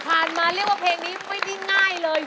มาเรียกว่าเพลงนี้ไม่ได้ง่ายเลย